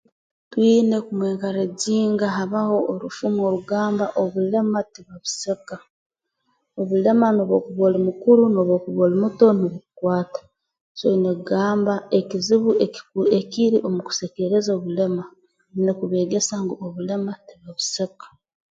Twine kumwenkarreginga habaho orufumu orugamba obulema tibabuseka obulema n'obu okuba oli mukuru n'obu okuba oli muto nubukukwata so oine kugamba ekizibu ekiku ekiri omu kusekeereza omulema oine kubeegesa ngu obulema tibabuseka